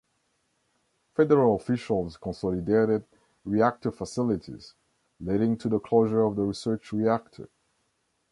Federal officials consolidated reactor facilities, leading to the closure of the research reactor.